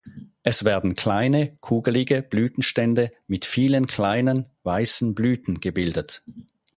Es werden kleine kugelige Blütenstände mit vielen kleinen, weißen Blüten gebildet.